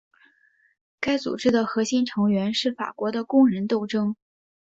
该组织的核心成员是法国的工人斗争。